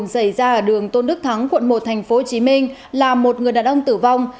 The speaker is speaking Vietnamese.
xảy ra ở đường tôn đức thắng quận một tp hcm là một người đàn ông tử vong